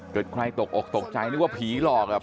เกิดใครตกอกตกใจนึกว่าผีหลอกอ่ะ